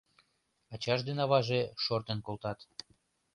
Ачаж ден аваже шортын колтат.